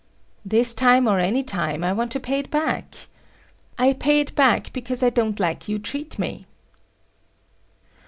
"This time or any time, I want to pay it back. I pay it back because I don't like you treat me."